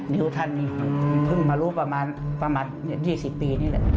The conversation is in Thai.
นิ้วท่านพึ่งมารู้ประมาณ๒๐ปีนี่แหละ